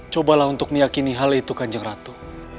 cobalah untuk meyakini hal itu kanjeng ratu